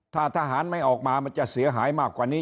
ถ้าทหารไม่ออกมามันจะเสียหายมากกว่านี้